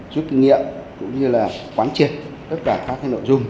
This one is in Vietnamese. rút kinh nghiệm cũng như là quán triệt tất cả các nội dung